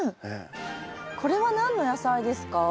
これは何の野菜ですか？